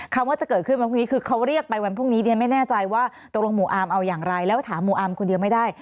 ว่าจะเกิดขึ้นวันพรุ่งนี้คือเขาเรียกไปวันพรุ่งนี้เรียนไม่แน่ใจว่าตกลงหมู่อาร์มเอาอย่างไรแล้วถามหมู่อาร์มคนเดียวไม่ได้